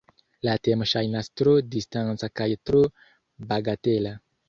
La temo ŝajnas tro distanca kaj tro bagatela.